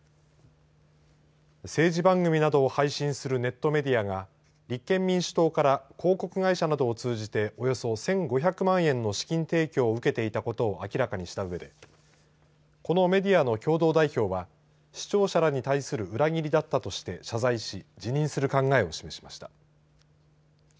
政治番組などを配信するネットメディアが立憲民主党から広告会社などをつうじておよそ１５００万円などの資金提供を受けていたこと明らかにしたうえでこのメディアの共同代表は視聴者らに対する裏切りだったとして謝罪し辞任する考えを示しました。